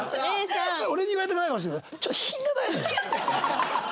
俺に言われたくないかもしれないけどちょっと品がないのよ。